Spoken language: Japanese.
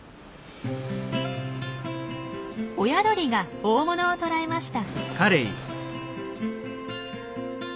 親鳥が大物を捕らえました。